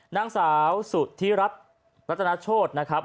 นางสาวสุธิรัฐรัตนาโชธนะครับ